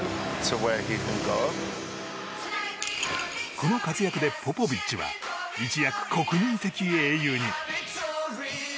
この活躍でポポビッチは一躍、国民的英雄に。